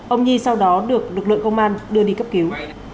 ông nhi sau đó được lực lượng công an đưa đi cấp cứu